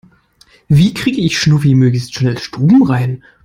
Wie kriege ich Schnuffi möglichst schnell stubenrein?